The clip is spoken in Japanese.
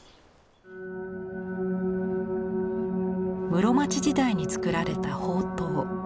室町時代に作られた宝塔。